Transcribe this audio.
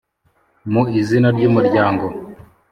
mu izina ry'umuryango,